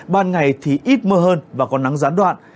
ban ngày thì ít mưa hơn và có nắng gián đoạn